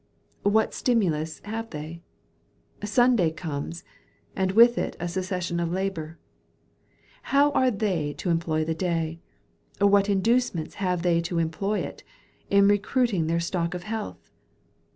What stimulus have they? Sunday comes, and with it a cessation of labour. How are they to employ the day, or what inducement have they to employ it, in recruiting their stock of health?